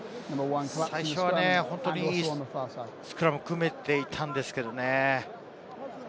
最初はいいスクラムが組めていたんですけれどね。